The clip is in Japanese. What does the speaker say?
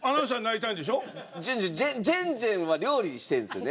じゅんじゅんジェンジェンは料理してるんですよね。